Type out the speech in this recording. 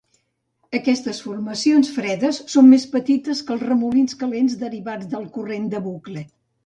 Aquestes formacions fredes són més petites que els remolins calents derivats del Corrent de Bucle.